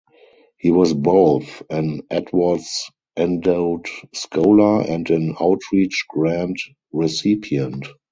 He was both an Edwards Endowed Scholar and an Outreach Grant recipient.